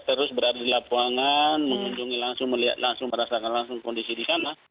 terus berada di lapangan mengunjungi langsung melihat langsung merasakan langsung kondisi di sana